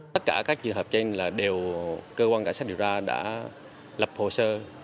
tất cả các trường hợp trên là đều cơ quan cảnh sát điều tra đã lập hồ sơ